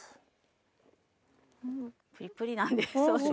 プリプリなんです。